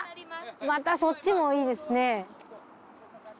またそっちもいいですね。